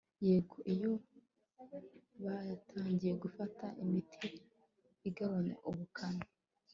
yego, iyo batangiye gufata imiti igabanya ubukana